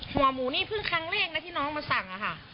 หัวหมูนี่เพิ่งครั้งแรกนะที่น้องมาสั่งอะค่ะ